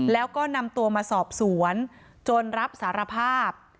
แล้วก็นำตัวมาสอบสวนจนรับสารภาพ